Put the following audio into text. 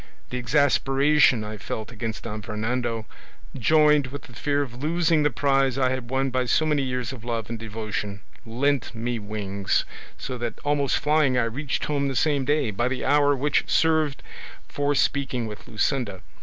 The exasperation I felt against Don Fernando, joined with the fear of losing the prize I had won by so many years of love and devotion, lent me wings; so that almost flying I reached home the same day, by the hour which served for speaking with Luscinda.